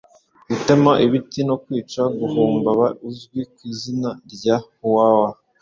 gutema ibiti no kwica Humbaba uzwi ku izina rya Huwawa